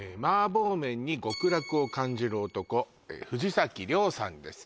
麻婆麺に極楽を感じる男藤崎涼さんです